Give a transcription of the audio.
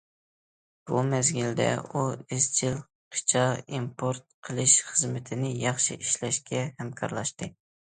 بۇ مەزگىلدە ئۇ ئىزچىل قىچا ئىمپورت قىلىش خىزمىتىنى ياخشى ئىشلەشكە ھەمكارلاشتى.